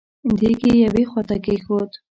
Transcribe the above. دېګ يې يوې خواته کېښود.